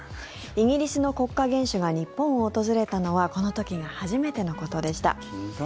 イギリスの国家元首が日本を訪れたのはこの時が初めてのことでした。